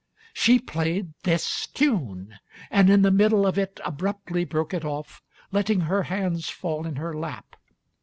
She played this tune. And in the middle of it Abruptly broke it off, letting her hands Fall in her lap.